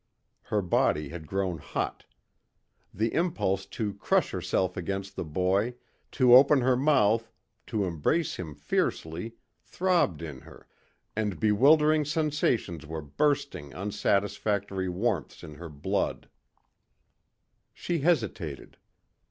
Her body had grown hot. The impulse to crush herself against the boy, to open her mouth, to embrace him fiercely, throbbed in her, and bewildering sensations were bursting unsatisfactory warmths in her blood. She hesitated.